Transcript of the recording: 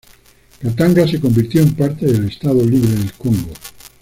Katanga se convirtió en parte del Estado Libre del Congo.